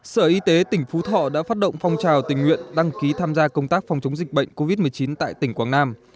sở y tế tỉnh phú thọ đã phát động phong trào tình nguyện đăng ký tham gia công tác phòng chống dịch bệnh covid một mươi chín tại tỉnh quảng nam